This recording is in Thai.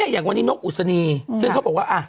อย่างวันนี้นกอุศนีซึ่งเขาบอกว่า